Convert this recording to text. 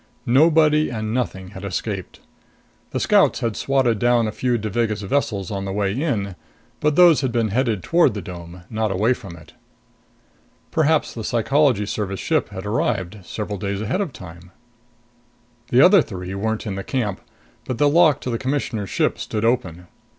Nobody and nothing had escaped. The Scouts had swatted down a few Devagas vessels on the way in; but those had been headed toward the dome, not away from it. Perhaps the Psychology Service ship had arrived, several days ahead of time. The other three weren't in camp, but the lock to the Commissioner's ship stood open.